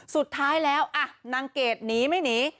สุดท้ายแล้วนางเกดหนีไม่หนี